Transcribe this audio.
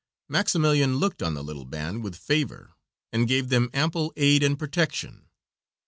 Maximilian looked on the little band with favor and gave them ample aid and protection.